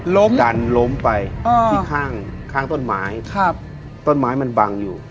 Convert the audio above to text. ล้มกันล้มไปอ่าที่ข้างข้างต้นไม้ครับต้นไม้มันบังอยู่